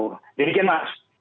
jadi begini mas